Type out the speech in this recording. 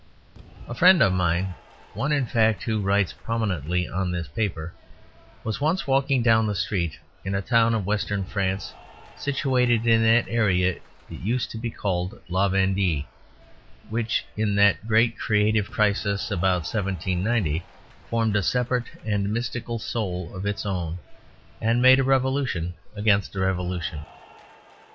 A friend of mine (one, in fact, who writes prominently on this paper) was once walking down the street in a town of Western France, situated in that area that used to be called La Vendee; which in that great creative crisis about 1790 formed a separate and mystical soul of its own, and made a revolution against a revolution.